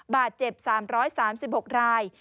บาดเจ็บ๓๓๖ราย